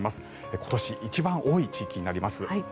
今年一番多い地域になります。